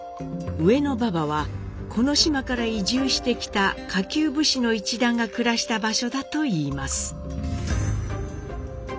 上之馬場はこの島から移住してきた下級武士の一団が暮らした場所だといいます。